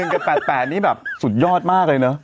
กับ๘๘นี่แบบสุดยอดมากเลยเนอะ